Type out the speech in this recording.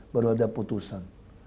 baru ada putusan